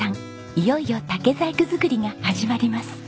いよいよ竹細工作りが始まります。